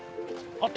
あっ！